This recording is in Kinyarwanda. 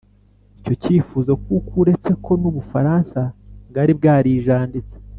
icyo kifuzo kuko uretse ko n u Bufaransa bwari bwarijanditse